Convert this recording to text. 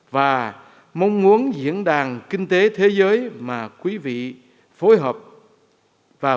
và mong muốn diễn đàn kinh tế thế giới là nơi khởi nguồn của nhiều ý tưởng mới và sáng tạo